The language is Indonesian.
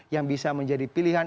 yang bisa menjadi pilihan